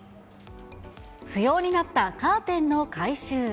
不要になったカーテンの回収。